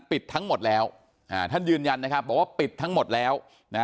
ปิดทั้งหมดแล้วท่านยืนยันนะครับบอกว่าปิดทั้งหมดแล้วนะฮะ